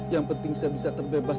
yang penting saya bisa terbebas